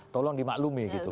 tolong dimaklumi gitu